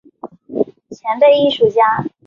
前辈艺术家